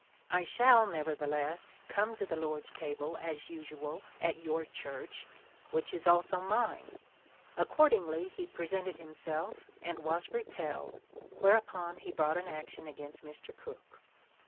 I shall, nevertheless, come to the Lord's table as usual at 'your' church, which is also mine." Accordingly he presented himself, and was repelled, whereupon he brought an action against Mr. Cook.